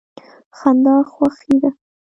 خندا خوښي ده.